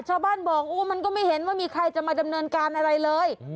ชาวบ้านบอกมันก็ไม่เห็นว่ามีใครจะมาดำเนินการอะไรเลย